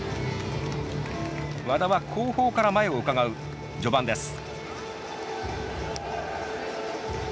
和田は、後方から前をうかがう序盤です。